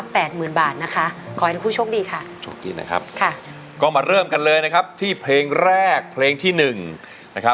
แปดหมื่นบาทนะคะขอให้ทั้งคู่โชคดีค่ะโชคดีนะครับค่ะ